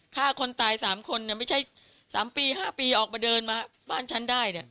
ฆ่าคนตาย๓คนไม่ใช่๓ปี๕ปีออกมาเดินมาบ้านฉันได้เนี่ย